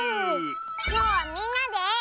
きょうはみんなで。